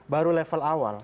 baru level awal